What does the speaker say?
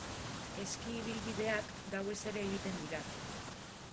Eski ibilbideak gauez ere egiten dira.